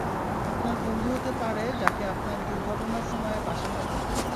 আপনার বন্ধু হতে পারে যাকে আপনার দূর্ভাবনার সময়ে পাশে পাবেন।